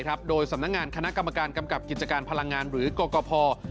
ครับโดยสำนักงานคณะกรรมการกรรมกลับกิจการพลังงานหรือกลกคอพอร์